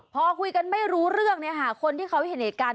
พอคุยกันไม่รู้เรื่องเนี่ยค่ะคนที่เขาเห็นเหตุการณ์